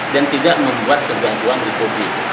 dan tidak membuat kegaduhan di publik